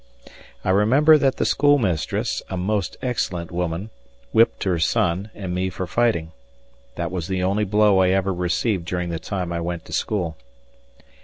I remember that the schoolmistress, a most excellent woman, whipped her son and me for fighting. That was the only blow I ever received during the time I went to school.